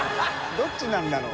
どっちなんだろう？